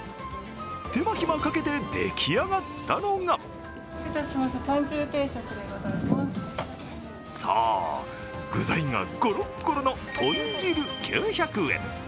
手間暇かけて出来上がったのがそう、具材がゴロッゴロの豚汁９００円。